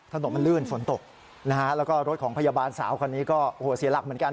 ถนนมันลื่นฝนตกนะฮะแล้วก็รถของพยาบาลสาวคนนี้ก็โอ้โหเสียหลักเหมือนกัน